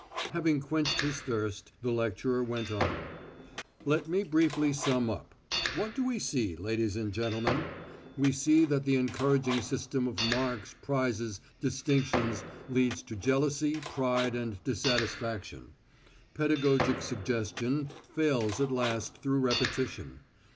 Having quenched his thirst, the lecturer went on: "Let me briefly sum up. What do we see, ladies and gentlemen? We see that the encouraging system of marks, prizes, distinctions, leads to jealousy, pride and dissatisfaction. Pedagogic suggestion fails at last through repetition.